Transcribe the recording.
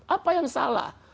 apa yang salah